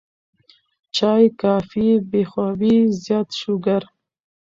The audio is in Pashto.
چائے ، کافي ، بې خوابي ، زيات شوګر